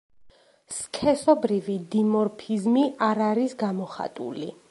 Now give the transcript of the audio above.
სქესობრივი დიმორფიზმი არ არის გამოხატული.